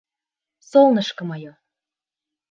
«Солнышко мое!..»